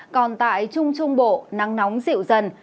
còn tại trung trung bộ nắng nóng dịu dần